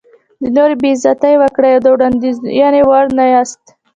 د نورو بې عزتي وکړئ او د وړاندوینې وړ نه یاست.